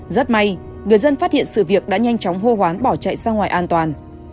rất may người dân phát hiện sự việc đã nhanh chóng hô hoán bỏ chạy ra ngoài an toàn